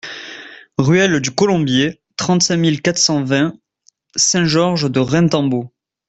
Ruelle du Colombier, trente-cinq mille quatre cent vingt Saint-Georges-de-Reintembault